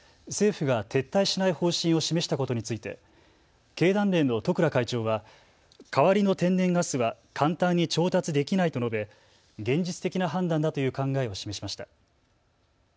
政府が撤退しない方針を示したことについて経団連の十倉会長は代わりの天然ガスは簡単に調達できないと述べ現実的な判断だという考えを示しました。